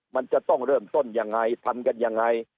มันจะต้องเริ่มต้นยังไงทำกันยังไง